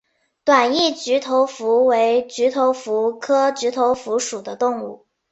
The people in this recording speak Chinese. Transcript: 短翼菊头蝠为菊头蝠科菊头蝠属的动物。